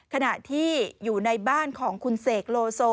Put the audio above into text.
ขณะที่อยู่ในบ้านของคุณเสกโลโซ